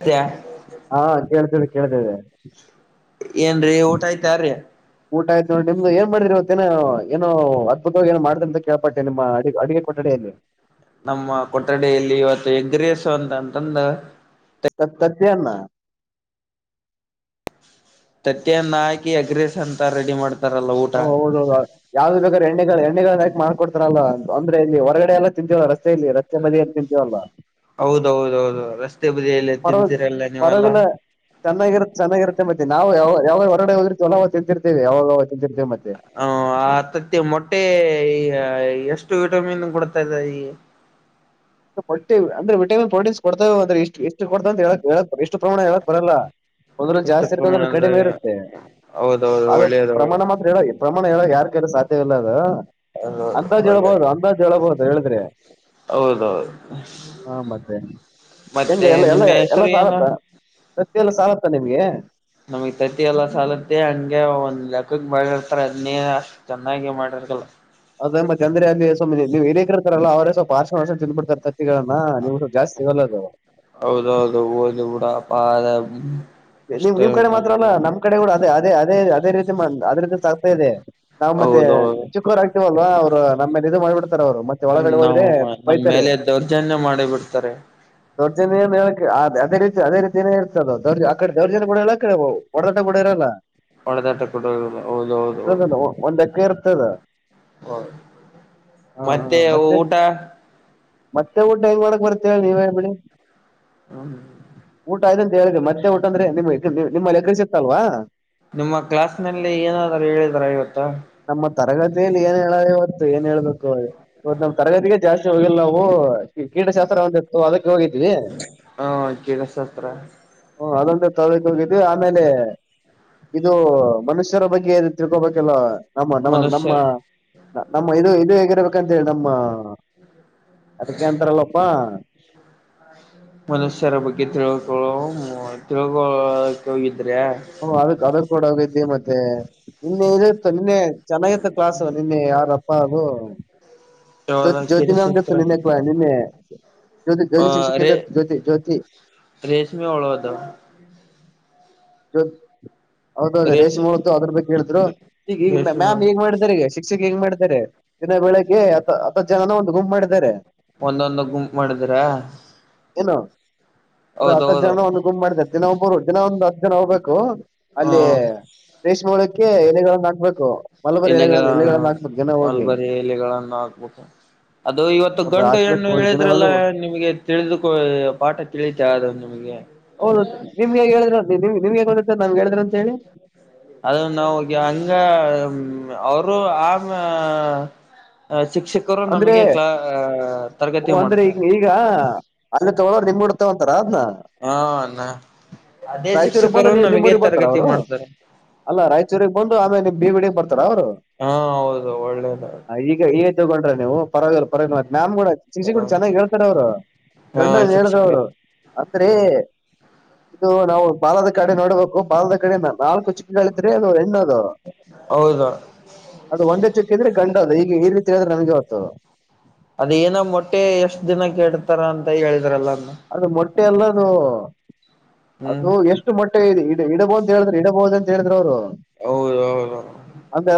ಮತ್ತೆ ಹಾ ಕೇಳ್ತೇನೆ ಕೇಳ್ತೇವೆ ಏನ್ರೀ ಊಟ ಆಯ್ತ್ರೀ ಊಟ ಆಯತುಡಿ ನಿಮ್ದು ಏನ್ ಮಾಡಿದ್ರಿವತ್ತ ಏ ಏನೋದ್ತವಾಗಿ ಏ ಮಾಡ್ ಂತ ಕೇಳ್ಪಟ್ಟೆ ನಿಮ್ಮ ಅ ಅಡುಗೆ ಕೊಠಡ ಲ್ಲಿ ನಮ್ಮ ಕೊಠಡಿಯಲ್ಲಿ ಇವತ್ತು ಹೆಗ್ರಸು ಅಂತ ಅಂತಂದ ಸ ತಥಮ್ಮ ತಟ್ಟಿಯನ್ನ ಹಾಕಿ ಅಗ್ರೆಸ್ ಅಂತ ರೆಡಿ ಮಾಡ್ತ ಓ ಹೌದ ಹೌದು ಯಾವ್ದು ಬೇಕಾದಾರೆ ಎಣ್ಣೆಗಳು ಮಾಕ ಮಾಡ್ಕೊಡ್ತಾರಲ್ಲ ಅಂದ್ರೆಲ್ಲಿ ಹೊರಗಡೆ ಎಲ್ಲ ತಿಂತೀವಲ್ಲ ರಸ್ತೆಯಲ್ಲಿ ರಸ್ತೆ ನದಿಯ ಎಲ್ಲಿ ತಿಂತೇವಲ್ಲ ಹೌದೌದೌದು ರಸ್ತೆ ಬರಿ ಎಲ್ಲ ತಿಂತೀರಲ್ಲ ನೀವೆಲ್ಲ ಚೆನ್ನಾಗಿರುತ್ತ ಚನ್ನಾಗಿತ್ತೆ ಮತ್ತ ನಾವುಾವ ಹೊಡೆ ಹೋದಿತಿ ಚಲವು ತಿಂತಿರ್ತೀ ಯಾಗ ಹತ್ತತ್ತು ಮೊಟ್ಟೆ ಈ ಎಷ್ಟು ವಿಟಮಿನ್ ಕೊಡ್ತಾ ಇದದೆ ಈ ಕೊಟ್ಟೆ ಅಂದ್ರೆ ವಿಟಾಮಿನ್ ಪ್ರೋಟೀನ್ ಕೊಡ್ತಾವವೆ ಅ್ರ ಇಷ್ಟ ಎಷ್ಟ ಕೊಡ್ತಾವಂತ ಹೇಳ ಎಷ್ಟು ಪ್ರಮಾಣ ಹೇಳಕ್ ಬರಲ್ಲ ಒಂದಲ್ಲ ಎಷ್ಟು ಜಾಸ್ತಿ ಇರುತ್ತೆ ಒಂದ್ರಲ್ಲಿ ಕಡಿಮೆ ಪ್ರಮಾಣದಲ್ಲಿ ಇರುತ್ತೆ ಹೌದೌದು ಆದ್ರ ಒಳ್ಳೇದು ಒಳ್ಳೆ ಪ್ರಮಾಣ ಮಾತ್ರ ಹೇಳ ಪ್ರಮಾಣ ಹೇಳ ಯಾರ ಕಲ್ಲ ಸಾ ಇಲ್ಲ ಅದ ಹೌದೌದು ಅಂದಾಜ್ ಒಳ್ಳೇದು ಹೇಳಳ್ಬಹುದು ಅಂದಾಜ್ ಹೇಳ ಹೇಳಬಹುದು ಹೇಳಿದ್ರಿ ಹೌದೌದು ಹ ಮತ್ತೆ ಹೆಂ ಮತ್ತೆ ಎಲ್ಲ ಎಲ್ಲ ನಿಮ್ಮ ಎಲ್ಲ ಹೆಸರು ಏನು ಸಗತ್ತ ಸತ್ತೆಲ್ಲ ಸಾಗತ್ತಾ ನಿಮ್ಗೆ ನಮಗ್ ತತಿ ಎಲ್ಲ ಸಾಲತ್ತೆ ಹಂಗೆ ಒಂದ್ ಲೆಕ್ಕಕ್ ಬಾಳಿರ್ತಾರ ಅದ್ನೇ ಅಷ್ಟ ಚೆನ್ನಾಗಿ ಮಾಡ್ರ ಹ ಅತ್ತ ಅಂದ್ರ ಅ ನೀವು ಏನ ಇಿರ್ತಾರಲ್ಲ ಅವ್ರೇವಲ್ಾರ್ಷಾಷ ಚಿಂದ್ ಬಿಡ್ತರ್ತ ಗಳಮ್ಮ ನೀವು ಜಾಸ್ತಿಗಲ್ಲದು ಹದ ನೀವು್ ನಿಮ್ ಕಡೆ ಮಾತ್ರ ಅಲ್ಲ ನಮ್ಮ್ ಕಡೆ ಕೂಡ ಅದೇ ಅದೇ ಅದೇ ಅದ್ರಿಂದಗ್ತಾ ಇದೆ ನಾವ್ ಮತ್ತೆ ಹೌದೌದು ಚಿಕ್ಕರ್ ಆಗ್ತಿವಲ್ವಾ ಅವ್ರು ನಮ್ಮೇಲೆ ಇದು ಮಾಡ್ಬಿಡ್ತ ಅವರು ಮತ್ತೆ ಒಳಗಡೆ ನಾವು ಹೋದ್ರೆ ನಮ್ಮ ಬೈತಾರೆ ಮೇಲೆ ದೌರ್ಜನ್ಯ ಮಾಡಿ ಬಿಡ್ತಾರೆ ದೊರ್ಜನ್ಯೇ ಮೇಕ್ಕೆ ಅದೇ ರೀತಿ ಅದೇ ರೀತಿನೇ ಇರ್ತದ ದೊರ್ಜ ಕಡೆ ದೇವಡ್ ಜನ ಬ ಮಾಡಲ್ಲ ಕಡೆ ಹೊಡದಟ ಮಾಡ ಇರಲ್ಲ ಒಡೆದಾಟ ಕೊಡ ಹೌದ ಹೌದು ಹೌದು ಹಲ್ಲ ಹ ಮತ್ತೆ ಊಟ ಮತ್ತೆ ಊಟ ಏನ್ ಮಾಡಕ್ ಬರ್ತ್ತೇ ನೀವೇ ಬಿಿ ಹ್ಮ್ ಊಟ ಹೇಳಿದೆ ಮತ್ತೆ ಊಟ್ಟಂದ್ರೆ್ ನಿಮ್ಮಲ್ಲಿ ಎಕ್ರ ಸಿತ್ತಲ್ವಾ ನಿಮ್ಮ ಕ್ಲಾಸ್ನಲ್ಲಿ ಏನಾದರೂ ಹೇಳಿದರಾ ಇವತ್ತಾ ತರಗತಿಯಲಿ ಏನ್ ಹೇಳ ಇವತ್ತು ಏನ್ ಹೇಳ್ಬೇಕು ಇವತ್ ನಮ ತರಗತಿಗೆ ಜಾಸ್ತಿ ಹೋಗಿಿಲ್ಲ ನಾವು ಈ ಕೀಟಶಾಸ್ತ್ರ ಒಂದಿತ್ತು ಅದಕ್ಕೆ ಹೋಗಿದೀವಿ ಹ ಕೇಳಸತ್ರ ಹ್ಮ ಅದೊಂದ ತೊಗಕ್ ಹೋಗಿದ್ದ್ ಆಮೇಲೆ ಇದು ಮನುಷ್ಯರ ಬಗ್ಗೆ ಏ ತಿಳ್ಕೋಬೇಕಲ್ಲ ನಮ್ಮ ನಮ್ಮ ಮನುಷ್ಯ ನಮ್ಮ ನಮ್ಮ ಇದು ಇದು ಹೇಗಿರ್ಬೇಕಂತ ಹೇಳಿ ನಮ್ಮ ಅದಕ್ಕೆ ಏನ್ಂತರಲ್ಲಪ್ಪ ಮನುಷ್ಯರ ಬಗ್ಗೆ ತಿಳ್ಕೊಳ್ಳೋ ತಿಳ್ಕೊಳಕ ಹೋಗಿ ಹ ಅದ ಅದ ಕೊಡೋಗತಿ ಮತ್ತೆ ನಿನ್ನೆ ಇ ನಿನ್ನೆ ಚೆನ್ನಾಗಿಂತ ಕ್ಲಾಸ್ ಅವ ನಿನ್ನೆ ಯಾರ ಅಪ್ಪ ಅದು ಜ್ಯೋತಿ ಯಾವ್ದ ಜ್ಯೋತಿ ಉಂ ಕೇಳಸತ್ರ ನಿನ್ನೆ ಕ ನಿನ್ನೆ ಜ್ಯೋತಿ ಅ ಜ್ಯೋತಿ ರೇ ಶಿಕ್ಷಕಂದ ಜ್ಯೋತಿ ಜ್ಯೋತಿ ರೇಷ್ಮೆ ಒಳದ ಚ ಹೌದೌದು ರೇಷ್ ರೇಷ್ಮಳ್ದು ಅದ್ರ ಬಗ್ಗೆ ಹೇಳಿದ್ರು ಈಗ ಈಗ ಮ್ಯಾಮ್ ರೇಷ್ಮೆ ಈೇಗ್ ಮಾಡಿದಿದ್ದಾರೆ ಈಗ ಿಗೆ ಹೆಂಗ ಮಾಡಿದ್ದಾರೆ ದಿನ ಬೆಳಗ್ಗೆ ಹತ್ತ ಜನ ಒಂದು ಗುಮ್ ಮಾಡಿದ್ದಾರೆ ಒಂದೊಂದು ಗುಂಪ್ ಮಾಡಿದ್ರ ಏನ ಅದ ಹ ಹೌದೌದು ಜನ ಒಂದು ಗುಮ್ ಮಾಡಿದೆ ದಿನ ಒಬ್ಬರು ದಿನ ಒಂದು್ ಹತ್ತು ಜನ ಹೋಗ್ಬೇಕು ಹ ಅಲ್ಲಿ ಪ್ರೇಷ್ ಮಾಡಕ್ಕೆ ಎಲೆಗಳನ್ನು ಹಾಕ್ಬೇಕು ಮಲಬಾರಿ ಎಲೆಗಳ ಎಲೆಗಳನ್ನ ಎಲೆಗಳನ್ನ ಹಾಕ್ಬೇಕು ದಿನ ಹೋಗಿ ಮಾಲ್ಬರಿ ಎಲೆಗಳಗಳನ್ನು ಹಾಕ್ಬೇಕು ಅದು ಇವತ್ತು ಗಂಟು ಹಾಕ್ಬೇಕು ಹೆಣ್ಣು ಹೋಗಿ ಹೇಳಿದ್ರೆಲ್ಲ ದಿನಗಳು ನಿಮಗೆ ತಿಳಿದುಕೊ ಪಾಠ ತಿಳಿತಾ ಅದು ನಿಮಗೆ ಹೌದ ನಿಮ್ಗೆ ಹೇಳಿದ್ರ ನಿಮ್ ನಿಮ್ಗೆೇಗಂದ ನಮ್ಗೆ ಹೇಳಿದ್ರ ಅಂತ ಹೇಳಿ ಅದು ನಾ ಹಂಗ ಅವರು ಆಮ ಶಿಕ್ಷಕರು ಅಂದ್ರೆ ನಮಗೆ ಕ್ಲಹ ಓ ತರಗತಿ ಮಾಡ್ತಾರೆ ನಿಮ್ ಬಿಡ್ತವ ಅಂತರ ಹಾ ಅಲ್ಲ ರಾಯಚೂರಿಗೆ ಬಂದು ನೀ ನಿಮ್ಮ ಊ್ರಗ್ ಬರ್ತಾರ ಅವ್ರು ಮಾಡ್ತಾರೆ ಅಲ್ಲ ರಾಯಚೂರಿಗೆ ಬಂದು ಆಮೇಲೆ ನಿಮ್ ಬೀವಿಡಗ್ ಬರ್ತಾರೆ ಅವ ಹಾ ಹೌದು ಒಳ್ಳೇದ ಈಗ ಈ ತಗೊಂಡ್ರ ನೀವು ಪರವಾಗಿಲ್ ರತ್ ನಾಮ್ ಕೂಡ ಶಿೂಡ ಚೆನ್ನಾಗಿ ಹೇಳ್ತಾರೆ ಅವರು ಹ ಗಂಡ ಹೇಳ್ದವ್ರು ಶಿಕ್ಷಕರು ಅಂದ್ರೆ ಹ್ಮ್ ಇದು ನಾವು ಬಾಲದ ಕಡೆ ನೋಡಬೇಕು ಬಾಲದ ಕಡೆ ನಾಲ್ಕು ಚಿಕ್ಕಗಳಿದ್ರೆ ಅದು ಹೆಣ್ಣ ಹೌದು ಅದು ಒಂಡೆ ಚೆಕ್ಕಿದ್ರೆ ಗಂಡ ಅದು ಈಗ ಈ ರೀತಿ ್ರೆ ನಮಗೆ ಹೊತ್ತು ಅದ ಏನ ಮೊಟ್ಟೆ ಎಷ್ಟ್ ದಿನಕ್ಕೆಡ್ತಾರ ಅಂತ ಹೇಳಿದ್ರಲ್ಲ ಅದ್ನ. ಅದು ಮೊಟ್ಟೆ ಎಲ್ಲ ಹ್ಮ್ ಅದು ಎಷ್ಟು ಮೊಟ್ಟೆ ಇದೆ ಇಡಬಹಂತ ಹೇಳಿದ್ರೆ ಇಡಬಹುದು ಅಂತ ಹೇಳಿದ್ರರು ಅವ್ರು ಹೌದ ಹೌದು ಅಂತ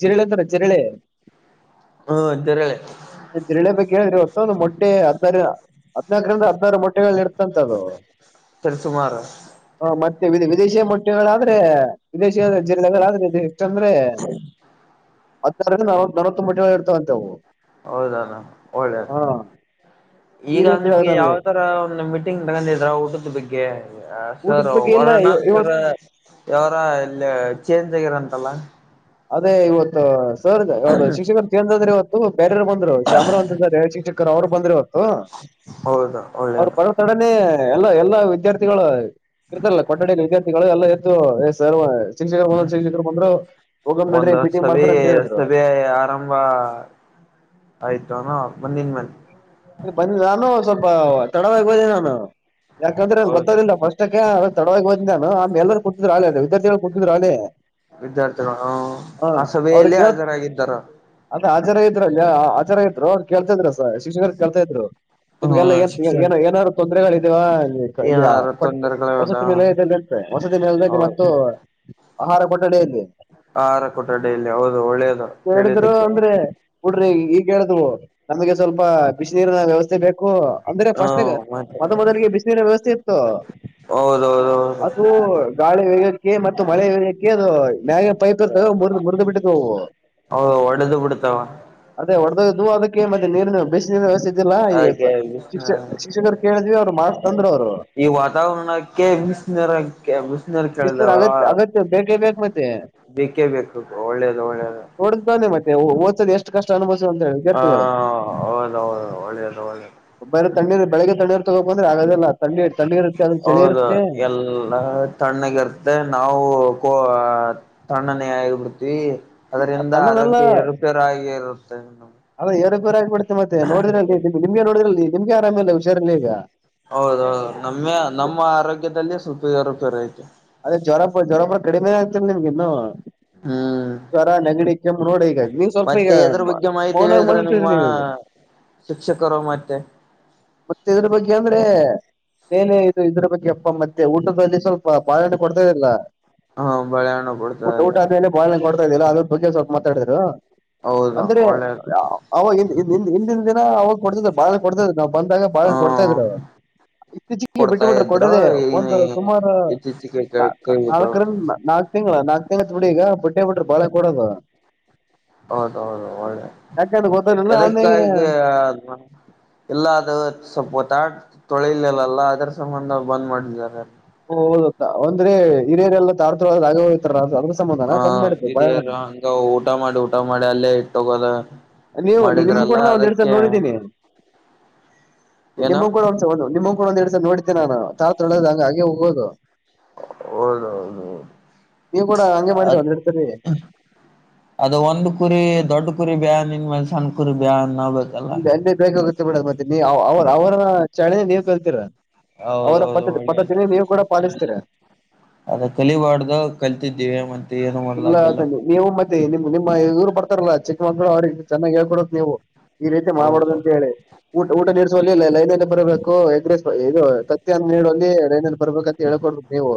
ಚಿರಳೆ ಅಂತರ ಚಿರಳೆ ಹ್ಮ ತಿರಳಿ ತಿರಳಿ ಬ ಹೇಳಿದ್ರಿ ಹೊತ್ತ ಒಂದು ಮೊಟ್ಟೆ ಅತ್ತಾರ ಹದ್ಿನಾಲ್ಕರಿಂದ ಹದಿನಾರು ಮೊಟ್ಟೆಗಳು ಇಡ್ತಂತದು ತಿರ್ಸುಮಾರು ಮತ್ತೆ ವಿದೇಶಿ ಮೊಟ್ಟೆಗಳಾದ್ರೆ ವಿದೇಶಿಯ ಜಿಲ್ಲ್ರ ಎಷ್ಟಂದ್ರೆ ಹತ್ತ ನವ ನವತ್ತು ಮಟ್ಟಿ ಇರ್ತಾವಂತೆಂತವು ಹೌದಣ ಒಳ್ಳೆ ಈ ಈಗ ರೀತಿ ಆದ್ರೆ ನಿಮ್ಗೆ ನಮ್ಗೆ ಯಾವ ತರ ಒಂದು ಮೀಟಿಂಗ್ ತಗೊಂಡಿದ್ರಾ ಊಟದ ಬಗ್ಗೆ ಊಟದ ಸರ್ ಬಗ್ಗೆ ಇಲ್ಲ ವರ್ಣ ಇವ ಸರ್ ಇವತ್ ಯಾವರ ಇಲ್ಲಿ ಚೇಂಜ್ ಆಗಿರಂತಲ್ಲ. ಅದೇ ಇವತ್ತ ಸರ್ ಗ ಯಾವದ ಶಿಕ್ಷಕರ ಚೇಂಜ್ ಅದರ ಇವತ್ತು ಬೇರೆಯವರ ಬಂದ್ರು ಶಾಮರು ಅಂತ [unintelligible] ಶಿಕ್ಷಕ. ಕರ ಅವರು ಬಂದ್ರೆ ಇವತು ಹೌದು ಅವರ ಒಳ್ಳೇದು ಬರೋ ತಡನೆ. ಎ ಎಲ್ಲೋ ಎಲ್ಲೋ ವಿದ್ಯಾರ್ಥಿಗಳ ಇರ್ತಾರಲ್ಲ ಕೊಠಡಿಲಿ ವಿದ್ಯಾರ್ಥಿಗಳು ಎಲ್ಲ ಎದ್ದು ಎ [unintelligible] ಶಿಕ್ಷಕರ ಬಂದು ಶಿಕ್ಷಕರು ಬಂದ್ರ. ಒಂದ ಹೊತ ಸಭೆ ಸಭೆ ಆರಂಭ ಆಯತ. ಜನ ಮುಂದಿನ [unintelligible] ಎ ಬಂದ ನಾನು ಸ್ವಲ್ಪ ತಡವಾಗಿ ಬಂದೆ ನಾನು ಯಾಕಂದ್ರೆ ಹೌದು ಗೊತ್ತದಿಲ್ಲ ಫಸ್ಟ್. ಈಗ ತಡವಾಗಿ ಹೋದ್ ನಾನು ಆಮ ಎಲ್ಲರು ಕೂತಿದರು ಆಲೆ ವಿದ್ಯಾರ್ಥಿಗಳು ಕೂತಿದರ ಆಗಲೇ. ವಿದ್ಯಾರ್ಥಿಗಳು ಹ ಆ ಅವ್ರ ಸಭೆಯಲ್ಲಿ ಕೇಳ ಹಾಜರಾಗಿದ್ದಾರ ಅದ ಹಜರ ಆಗಿದ್ರ ಅಲೆ ಹ. [unintelligible] [unintelligible] ಇದ್ರು ಅವ್ರು ಕೇಳ್ತಿದ್ರು ಸ ಶಿಕ್ಷಕರ ಕಳ್ತಾ ಇದ್ರು ಹ ನಿಮ್ಗೆಲ್ಲ ಏನ ಏ ಶಿಕ್ಷ ಏನ ಏನಾದ್ರೂ ತೊಂದರೆಗಳ ಇದ. ಇದು ಓಹ್ ಅಲಿ ಏನಾರ [unintelligible] ತೊಂದರೆಗಳದ ವಸತಿ ನಿಲಯ ಇದೆ ಅಲಿ ಅಂತ ವಸತಿ [unintelligible] ಹೌದು ಮತ್ತು. ಆಹಾರ ಕೊಟ್ಟಡೆಯಲ್ಲಿ. ಆಹಾರ ಕೊಟ್ಟ ಡೈಲಿ ಹೌದು ಒಳ್ಳೇದು ಕೇಡಿದ್ರು ಕೇಳಿದ್ದಕ್ಕೆ ಅಂದ್ರೆ [unintelligible] ಈ ಕೇಳ. [unintelligible] ನಮಗೆ ಸ್ವಲ್ಪ ಬಿಸಿನ ನೀರಿನ ವ್ಯವಸ್ಥೆ ಬೇಕ್. ಕು ಅಂದ್ರೆ ಫರ್ಸ್ಟ್ ಹ್ಮ ನ್ಯಾಗ ಮತ್ತೆ ಮೊದ ಮೊದಲಿಗೆ ಬಿಸಿನೀರ ವ್ಯವಸ್ಥೆ ಇತ್ತು. [inaudible] ಅದು ಗಾಳಿ ವೇಗಕ್ಕೆ ಮತ್ತು ಮಳೆ ವೇಗಕ್ಕೆ ಅದು ಮ್ಯಾಗ ಪೈಪ್ ಇರ್ತದೆ ಮೂರದ್ ಮುರಿದ್ ಬಿಟ್ಟಿದ್ದು. ಹೌದ ಒಡೆದು ಬಿಡ್ತಾವ. ದು ಅದಕ ಏನ್ ಮಾಡಿನಿ ನೀರಿನ ಬಿಸಿ ನೀರಿನ ವ್ಯವಸ್ಥೆ. ಇದ್ದಿರಲಿಲ್ಲ ಈಗ ಅದಕ್ಕೆ ಸ ಶಿಕ್ಷ ಶಿಕ್ಷಕರ ಕೇಳಿದಿವವಿ ಅವ್ರು ಮಾಡಸ್ತಂದ್ರರು ಅವ್ರು. ಈ ವಾತಾವರಣಕ್ಕೆ ಬಿಸಿನೀರ್ ಬಿಸಿ ನೀರ ಶಿಕ್ಷಕರು ಕೇಳಿದಾವ. ಅಗತ್ಯ ಅಗತ್ಯ ಬೇಕೇ ಬೇಕಕ್ ಮತ್ತೆ ಬೇಕೇ ಬೇಕು ಒಳ್ಳೇದು ಒಳ್ಳೇದು. ಏ ಹೋದ್ಸಲಿ ಎಷ್ಟು ಕಷ್ಟ ಅನುಭವ. ಹಾ ಹೌದ ಹೌದು ಒಳ್ಳೇದು ಒಳ್ಳೇದು. ಬರ ತಣ್ಣೀರು ಬೆಳಗ್ಗೆ ತಣ್ಣೀರ್ ತಗೋ ಬಂದ್ರೆ ಆಗದಲ್ಲ ತಣ್ಣೀರ ತಣ್ಣೀರ ಅಂತೆ. ಹೌದು ಎಲ್ಲ ತಣ್ಣಗ ಇರ್ತ್ತೆ ನಾವು ಕೋ ತಣ್ಣನೇ ಆಗಿಬಿಡ್ತಿೀವಿ ಆ ಅದರಿಂದ ತಣ್ಣನೆಲ್ಲ ಆರೋಗ್ಯ ಎರುಪೇರಾಗೇ ಇರುತ್ತೆ. [unintelligible] ಪೂರಾ ಯಾಕ್ ಬಿಡ್ತಿ ಮತ್ತೆ ನೋಡ್ರಲ್ಲಿ ನಿಮಗೆ ನೋಡ್ರಲ್ಲಿ ನಿಮ್ಗೆ ಆರಾಮ ಇಲ್ಲ ಹುಷಾರಲ್ಲಿ ಈಗ. ಹೌದೌದು ನಮ್ಮೆ ನಮ್ಮ ಆರೋಗ್ಯದಲ್ಲಿ ಸ್ವಲ್ಪ ಏರು ಪೇರು ಐತಿ. ಅದೇ ಜ್ವರಪ್ಪ ಜ್ವರಪ್ಪ ಕಡಿಮೆ ಆಗ್ತಲ್ಲ ನಿಮ್ಗೆ ಇನ್ನು. ಹ್ಮ್ ಜ್ವರ ನಂಗಡಿ ಕೆಮ್ಮ ನೋಡ ಈಗ ನೀವ್ ಸ್ವಲ್ಪ ಮತ್ತೆ ಎದ್ರ ಫೋನಾಗ ಮತ್ರಿ ನೀವ ಈಗ. ಶಿಕ್ಷಕರೋ ಮತ್ತೆ. ಮತ್ತೆ ಇದ್ರ ಬಗ್ಗೆ ಅಂದ್ರೆ. ನೇನ ಇದು ಇದ್ರ ಬಗ್ಗೆ ಅಪ್ಪ ಮತ್ತೆ ಊಟದಲ್ಲಿ ಸ್ವಲ್ಪ ಬಾಳೆ ಹಣ್ಣು ಕೊಡ್ತಾ ಇಲ್ಲ. ಹ ಬಳೆಹಣ್ಣು ಕೊಡ್ತಾ ಫುಲ್ ಡೌಟ್ ಇದಾರೆ ಆದಮೇಲೆ ಬಾಳ ಹಣ್ಣ ಕೊಡ್ತಾ ಇದ್ದಿಲ್ಲ ಅದ್ರ ಬಗ್ಗೆ ಸ್ವಲ್ಪ ಮಾತಾಡ್ರು. ಹೌದು ಅಂದ್ರೆ ಒಳ್ಳೇದು ಅವಾಗ ಹಿಂದ ಹಿಂದ ಹಿಂದಿನ ದಿನ ಅವಾಗ ಕೊಡ್ತದೆ ಬಾಳಹಣ್ಣ ಕೊಡ್ತಾ. ನಾವ್ ಬಂದಾಗ ಬಾಳ ಹಣ್ಣ ಕೊಡ್ತಾ ಹ್ಮ ಇದ್ರು ಇತ್ತೀಚಿಗೆ ಬಿಟ್ಟು ಕೊಡ್ತಾ ಬಿಿಟ್ರರು ಇದ್ರು ಕೊಡದೆ ಒಂದ ಈ ಸುಮಾರು. ಇತ್ತೀಚಿಗೆ ನಾ ನಾ ಕೈಬಿಟ್ಟ ನಾಲ್ಕರಿಂದ ನಾಲ್ಕು ತಿಂಗಳ ನಾ [unintelligible] ಆಯ್ತ ಬಿಡಿ ಈಗ ಬಿಟ್ಟೆ ಬಿಟ್ರು ಬಾಳೆ ಕೊಡೋದು. ಹೌದ ಹೌದು ಒಳ್ಳೆ. ಯಾಕಂದ್ರೆ ಗೊತ್ತಾಗಲಿಲ್ಲ ಆಮೇಲೆ ಯದಕಾಗೆ ಎಲ್ಲದ ಸ್ವಲ್ಪ ತಟ. ತೊಳೆ ಇಲ್ಲ್ಲಲ್ಲ ಅದ್ರ ಸಂಬಂಧ ಬಂದ್ ಮಾಡಿದ್ದಾರ. ಓಹ್ ಹೌದತ್ತಾ ಒಂದ್ರೆ ಹಿರಿಯರೆಲ್ಲ [unintelligible] ಸಂಬಂಧನ ಹ ಬಂದ್ ಮಾಡಿದ್ರು ಇದ ಏನೋ ಬಾಳೆಹಣ್ಣು ಹಂಗ ಊಟ ಮಾಡಿ ಊಟ ಮಾಡಿ ಅಲ್ಲೇ ಇಟ್ಟ ಹೋಗೊದ. ನೀವು ನಿಮ್ ಮಾಡಿದ್ರಲ್ಲ ಕೂಡ ನಾವು ಅದಕ್ಕೆ. ಏನು ನಿಮ್ಮ ಕೂಡ ಒಂದ್ಸ ನಿಮ್ಮ ಕೂಡ ಒಂದ ಎರಡ್ ಸರಿ ನೋಡಿದ್ದೆ ನಾನು ತಾಟ್ ತೊಳೋದಂಗ ಹಂಗಾಗಿ ಹೋಗೋದು. ಹೌದ ಹೌದ ಹೌದ. ನೀವು ಕೂಡ ಹಂಗೆ ಅ ಮಾಡಿದ್ರ ಒಂದ್ ಎರಡ್ ಸರಿ ಅದ ಒಂದು ಕುರಿ ದೊಡ್ಡ ಕುರಿ ಬ್ಯಾ. ಹಿಂದ ಮನುಷ್ಯನ ಕುರಿ ಬ್ಯಾ ಅನ್. ಅ ಅಲ್ಲಿ ಬೇಕಾಗುತ್ತೆ ಬಿಡದು ಮತ್ತೆ ನೀ ಅವ ಅವರನ ಚಳೆನೆ ನೀವ್ ಕಲ್ತಿರ ಅವರ ಹೌದೌದು ಪದ್ಧತಿ ಒಳ್ಳೇದು ಪದ್ಧತಿನ ನೀವು ಕೂಡ ಪಾಲಿಸ್ತೀರ ಅದ ಕಲಿಬಾರ್ದು ಕಲ್ತಿದ್ದೀವಿ ಮತ್ತೆ ಏನು ಮಾಡ್ದಾಗಲ್ಲ ಇಲ್ಲನ್ನೆ ನೀವು ಮತ್ತೆ ನಿಮ್ ನಿಮ್ಮ ಇವ್ರು ಬರ್ತಾರಲ್ಲಾ ಚಿಕ್ಕಮಕ್ಕಳು ಅವ್ರಿಗೆ ಚೆನ್ನಾಗ್ ಹೇಳ್ಕೊಡತ್ ನೀವು ಈ ರೀತಿ ಮಾಡಬಾಡದ ಹೌದು ಅಂತ ಹೇಳಿ ಊಟ ಊಟ ನಡ್ಸೋಲ್ಲಿ ಇಲ್ಲ ಲೈನ್ಲ್ಲ ಬರಬೇಕು ಎಗ್ಗುರೈಸ್ ಇದು ತತ್ತಿನ್ನು ನೀಡುವಲ್ಲಿ ರಂದನ್ ಬರ್ಬೇಕಂತ ಹೇಳ್ಕೊಡ್ಬೇಕ ನೀವು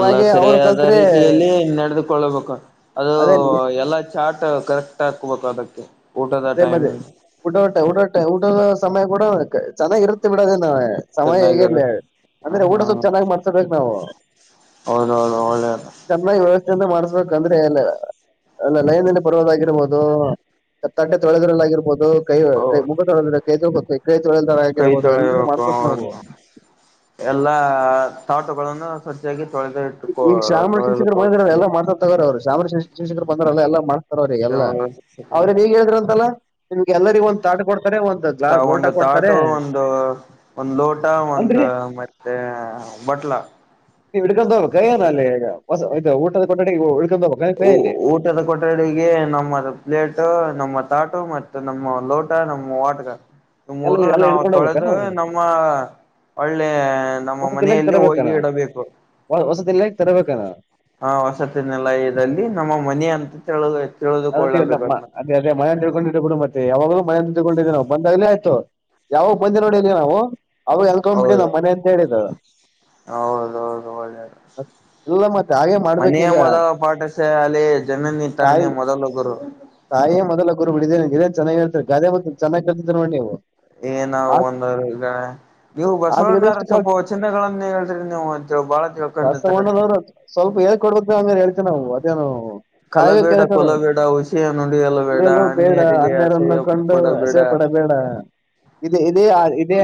ಎಲ್ಲ ಅವ್ರು ಸರಿಯಾದ ಕಲ್ತ್ರೆ ರೀತಿಯಲ್ಲಿ ನಡೆದ ಕಳ್ಬೇಕು ಅದು ಅದೇ ಎಲ್ಲಾ ಚಾಟ್ ಕರೆಕ್ಟ್ ಹಾಕಬೇಕು ಅದಕ್ಕೆ ಊಟದ ಅದೇ ಮದೆ ಟೈಮಿಂಗ್ ಊಡೋಟೆ ಊಡೋಟೆ ಊಟ ಸಮಯ ಕೂಡ ಚೆನ್ನಾಗಿ ಇರುತ್ತೆ ಬಿಡೋದ ಸಮಯ ಹೇಗಿರ್ಲಿ ಚೆನ್ನಾಗಿರುತ್ತೆ ಅಂದ್ರೆ ಊಟ ಸ್ವಲ್ಪ್ ಚೆನ್ನಾಗಿ ಮಾಡ್ಸೊಡ್ಬೇಕು ನಾವು ಹೌದ ಹೌದ ಒಳ್ಳೆಯದ ಮಾಡಸ್ಬೇಕಂದ್ರೆ ಅ ಅಲ್ಲ ಲೈನ್ಲ್ಲಿ ಬರೋದಾಗಿರ್ಬೋದು ತತ್ತಾಟೆ ತೊಳದೊರಳ ಆಗಿರ್ಬಹದು ಕೈ ಕೈ ಮುಕ ತೋಳದರೆ ಕೈ ಕೈತೊಳಿ ಹಗಿರಬಹದು ಎಲ್ಲ ಮಾಡ್ತದ್ ನಾವು ಎಲ್ಲ ತಾಟುಗಳನ್ನು ಸ್ವಚ್ಚಾಗಿ ಈಗ ಈಗ ಶಾಮಾಜ ಶಿಕ್ಷಕರು ಬಂದಿದ್ರ ಎಲ್ಲ ಮಾಡತ ತಗೋ ಅವರು ಶಾಮ ಶಕ ಶಿವ ಶಕರ್ ಬಂದಾರಲ್ಲ ಎಲ್ಲ ಮಾಡ್ತಾರ ಅವ್ರಿಗೆ ಎಲ್ಲಾ ಅವ್ರ ನೀಗ ಹೇಳಿದ್ರ ಅಂತಲ್ಲಾ ನಿಮಗೆಲ್ಲರಿಗೆಒಂದು ತಾಟ ಕೊ ಒಂದು ತಾಟೋ ಒಂದು ಒಂದು ಲೋಟ ಅಲ್ರಿ ಒಂದು ಮತ್ತೆ ಬ ಅಟ್ಲ ಈ ಎಡುಕಂತ ಕೈಯಾನಲ್ಲಗ ಊಟದ ಕೊಟಡಿಗೆ ಊಟದ ಕೊಠಡಿಗೆ ನಮ್ಮತ್ ಪ್ಲೇಟ್ ನಮ್ಮತ್ ತಾಟು ಮತ್ತೆ ನಮ್ಮ ಲೋಟ ನಮ್ಮ ವಾಟಗ ಎಲ್ಲ ಮೂರು ಎಲ್ಲ ನಾವು ಹಿಡ್ಕೊಂಡು ಹೋಗ್ಬೇಕಾನ ತೊಳೆದ ನಮ್ಮ ಹೋಳ್ಳೆ ನಮ್ಮ ವಸತಿ ಮನೆಯಲ್ಲಿ ಹೋಗಿ ಇಡಬೇಕು ಅಗ್ ತರಬೇಕಾರ ಹಾ ವಸತಿ ನಿಲಯದಲ್ಲಿ ನಮ್ಮ ಮನೆ ಅಂತ ತಿಳೋದಯ್ತು ಅದಮ್ಮ ಅದೇ ಅದೇ ಮನಳ್ಕೊಂಡಿರೋ ಕುಟಂಬ ಯಾವಾಗ್ಲೂ ಮ ತಗೊಂಡಿದ್ದೇವಿ ನಾವು ಬಂದಾಗಲಿ ಆಯ್ತು ಯಾವಗ ಬಂದೆ ನೋಡಿ ಇಲ್ಲಿ ನಾವು ಅವಾಗ ಎತಕೊಬಿಟ್ಟಿದ ನಮ್ಮ ಮನೆ ಅಂತ ಹೇಳಿದ ಹೌದೌಹೌದು ಒಳ್ಳೆ ಇಲ್ಲ ಮತ್ತೆ ಹಾಗೆ ಮನೆಯ ಮಾಡ್ಬೇಕೀಗ ಮೊದಲ ಪಾಠಶಾಲೆ ಜನನಿ ತಾನೇ ಮೊದಲ ಗುರು ತಾಯೇ ಮೊದಲ ಗುರು ಬಿಡಿದ್ದೇನೆ ಇದೇನ್ ಚೆನ್ನಾಗಿ ಹೇಳ್ತರಿ ಗಾದೆ ಮೊತ್ತ ಚನ್ನಾಗ್ ಕೇಳತಿದ್ರ ನೋಡಿ ನೀವು ಏನ ಒಂದಗ ನೀವು ಬಸವಣ್ಣ ಆದ್ಗೆದಷ್ಟು ಕಾಲ್ ಸ್ವಲ್ಪ ಚಿನ್ನಗಳನ್ನೇ ಹೇಳ್ತ್ರರಿ ನೀವು ಬಾಳ ತಿಳ್ಕೊಂಡಿರ್ತರಂತ ಕೊಡದ ಅಂದ್ರ ಹೇಳತೀವಿ ನಾವು ಅದೇನು ಕಲಬೇಡ ಕೊಲಬೇಡ ಹುಷಿಯ ನುಡಿಯಲಬೇಡ ಕುಡಿಯಲು ಬೇಡ ಅನ್ಯರಿಗೆ ಅನ್ಯರನ್ನು ಅಸಹ್ಯ ಕಂಡು ಕೊಡಬೇಡ ಅಸಯ್ಯ ಪಡಬೇಡ ಇದೆ ಇದೇ ಇದೇ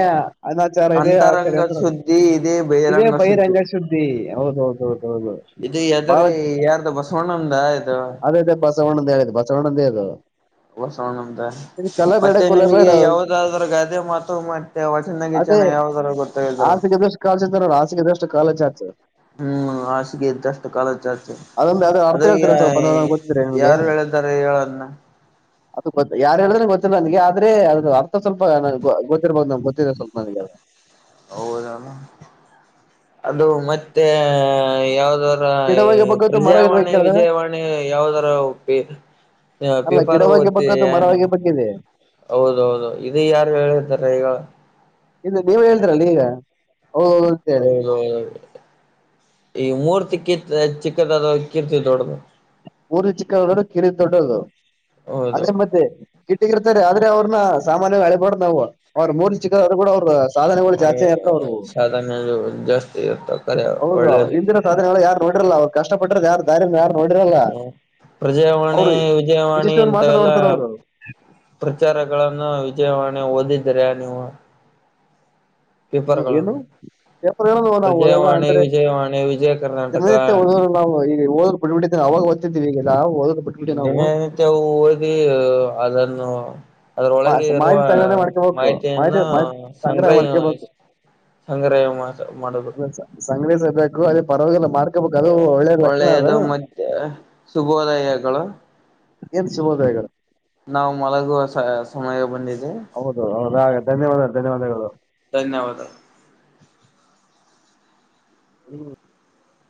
ಅನಾಚರ ಅಂತರಂಗ ಇದೇರಂದ ಸುದ್ದಿ ಇದೇ ಇದೇ ಬಹಿರಂಗ ಸು ಸುದ್ದಿ ಹೌದ ಹೌದಹೌದು ಇದು ಎದರ ಯಾರ್ದು ಬಸವಣ್ಣ್ದ ಇದು ಇದ ಬಸವಣ್ಣದ ಇದ ಬಸವಣ್ಣದ ಮತ್ತೆ ನಿಮಗೆ ಕೊಲಬೇಡ ಯಾವದಾದ್ರ ಗಾದೆ ಮಾತು ಮತ್ತೆ ವಚನ ಅದೇ ಗಿಚನ್ ನ ಯಾವ್ದರ ಗೊತ್ತಾಗಿದಾರ ಹಾಸಿಗೆೆದಷ್ಟು ಕಾಲು ಚಾಚು ಹ್ಮ್ ಹಾಸಿಗೆ ಇದ್ದಷ್ಟು ಕಾಲ ಚಾಚು ಅದೊಂದು ಅರ್ಥ ಅದ ಹೇಳ್ತೀರ ಯಾ ಸ್ವಲ್ಪ ನೋಡೋಣ ಗೊತ್ತಿದ್ರೆ ನಿಮ್ಗೆ ಯಾರು ಹೇಳತಾರೆ ಹೇಳೋದನ್ನ ಅದು ಗೊ ಯಾರು ಹೇಳಿದ್ರೆ ಗೊತ್ತಿಲ್ಲ ನಂಗೆ ಆದ್ರೆ ಅದ್ರ ಅರ್ಥ ಸ್ವಲ್ಪ ಗೊತ್ತಿರ್ಬೋದು ನಮ್ ಗೊತ್ತಿಲ್ಲಿದೆ ಸ್ವಲ್ಪ ನನ್ಗೆ ಹ ಹೌದನ್ ಅದು ಮತ್ತೆ ಯಾವ್ದಾದ ಗಿಡವಾಗಿ ಬಗ್ಗದ್ದು ಮರ ಇರ್ಬೇಕು ಪ್ರಜಾವಾಣಿ ಹೇಳಿದ್ರೆ ವಿಜಯವಾಣಿ ಯಾವದರ ಹ ಅಲ್ಲ ಗಿಡವಾಗಿ ಪೇಪರ್ತ್ತ ಬಗ್ಗದ್ದು ಯಾನ ಮರವಾಗಿ ಬಗ್ಗಿದೆ [unintelligible] ಹೌದೌದು ಇದು ಯಾರು ಹೇಳಿದ್ದಾರೆ ಈಗ ಇಲ್ಲ ನೀವ್ ಹೇಳ್ತರಲ್ಲ ಈಗ ಹೌದೌದು ಅಂತ ಹೇಳಿ ಹೌದೌದು ಈಗ ಮೂರ್ತಿ ಕಿ ಚಿಕ್ಕದ ಅದ ಇಕ್ಕಿರ್ತಿವಿ ದೊಡ್ಡ್ದ ಊರಿ ಚಿಕ್ಕ ದೊಡ್ಡ ಕಿರ ದೊಡ್ಡದು ಹೌದು ಅದೇ ಮತ್ತೆ ಕಿಟಗಿರ್ತಾರೆ ಅದೇ [unintelligible] ಅವ್ರನ್ನ ಸಾಮಾನ್ಯವಾಗಿ ಅಳಿಬಾರಡ ನಾ ಅವ್ರ ಮೂರು ಚಿಕ್ಕದರು ಕೂಡ ಅವ್ರ [unintelligible] ಜಾಸ್ತಿ ಇರ್ತಾವ್ರು ಸಾಧನ್ ಜಾಸ್ತಿ ಇತ್ತ [unintelligible] ಹೌದ ಇಂದಿನ ಸಾಧನೆಗಳು ಯಾರು ನೋಡ್ರಲ್ಲ ಅವ್ ಕಷ್ಟ ಪಟ್ಟ್ರ ಯಾರು ದಾರ ಯಾರು ನೋಡಿರಲ್ಲ ಹ ಪ್ರಜಾವಾಣಿ ಅವ್ರು ವಿಜಯವಾಣಿ ಇಷ್ಟಿಷ್ಟೊಂದು ಇಂತ ಮಾತ್ರ ಎಲ್ಲಾ ನೋಡ್ತಾರ ಅವ್ರು ಪ್ರಚಾರಗಳನ್ನು ವಿಜಯವಾಣೆ ಓದಿದ್ದೀರಾ ನೀವು ಪೇಪರ್ಗಳನ್ನು ಪೇಪರ್ ನವು ನಾವು ಓದಲ್ಲ ಪ್ರಜಾವಾಣಿ ಅಂದ್ರೆ ವಿಜಯವಾಣಿ ವಿಜಯ ಕರ್ನಾಟಕ ದಿನನಿತ್ಯ ಓದ ನಾವು ಈ [inaudible] ಓದ್ ಬಿಡ್ಬ ಬಿಟ್ಟಿದ್ ಅವಾಗ ಓದಿದ್ವಿ ಈಗೆಲ್ಲಾ [inaudible] ದಿನನಿತ್ಯವು ಓದಿ ಅದನ್ನು [inaudible] ಮಾ- ಅದ್ರೊಳಗೆ ಇರುವ ಮಾಹಿತಿ ಸಂಗ್ರಹಣೆ ಮಾಡ್ಕೋಬೇಕು ಮಾಹಿತಿ ಮಾಹಿತಿಯನ್ನು ಮಾಹಿತಿ ಸಂಗ್ರಹ ಮಾಡ್ಕೋಬೇಕು ಸಂಗ್ರಹಿಸಿ ಸಂಗ್ರಹ ಮಾಸ ಮಾಡುದು [unintelligible] ಗು ಪರವಾಗಿಲ್ಲ ಮಾಡ್ತೀನಿ ಒಳ್ಳೆಯದು ಮತ್ತೆ ಶುಭೋದಯಗಳು ಏನ್ ಶುಭೋದಯಗಳು ನಾವು ಮಳಗುವ ಸಮಯ ಬಂದಿದೆ ಹೌದು ಹೌದ ಧನ್ಯವಾದ ಧನ್ಯವಾದಗಳು ಧನ್ಯವಾದ [inaudible] ಹ [unintelligible]